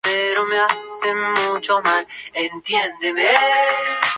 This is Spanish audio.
Otra línea es dibujada en forma paralela al canal para destacar la puerta.